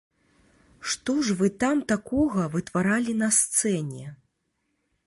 Што ж вы там такога вытваралі на сцэне?